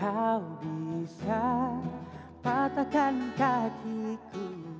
kau bisa patahkan kakiku